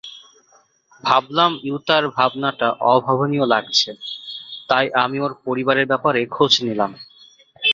ভাবলাম ইউতার ভাবনাটা অভাবনীয় লাগছে, তাই আমি ওর পরিবারের ব্যাপারে খোঁজ নিলাম।